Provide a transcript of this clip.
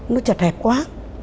nó chật hẹp quá